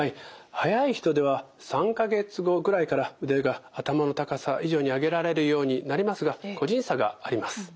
早い人では３か月後ぐらいから腕が頭の高さ以上に上げられるようになりますが個人差があります。